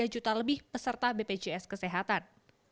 tiga juta lebih peserta bpjs kesehatan